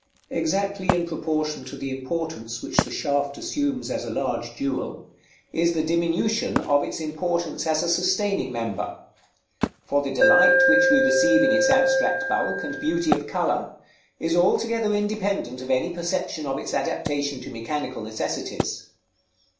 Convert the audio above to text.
_ Exactly in proportion to the importance which the shaft assumes as a large jewel, is the diminution of its importance as a sustaining member; for the delight which we receive in its abstract bulk, and beauty of color, is altogether independent of any perception of its adaptation to mechanical necessities.